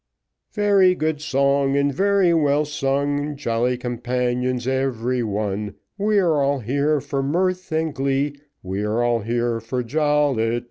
Very good song, and very well sung, Jolly companions every one; We all are here for mirth and glee, We all are here for jollity.